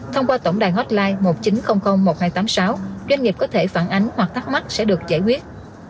thông qua tổng đài hotline một chín không không một hai tám sáu doanh nghiệp có thể phản ánh hoặc thắc mắc sẽ được giải quyết